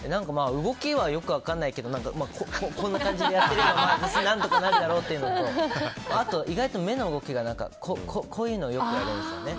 動きはよく分かんないけどこんな感じでやっているよな何とかなるだろうっていうのとあと意外と目の動きがこういうのをよくやるんですよね。